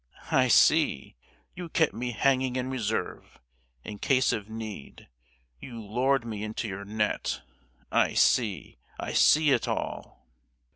I see—you kept me hanging in reserve, in case of need! You lured me into your net! I see, I see it all!"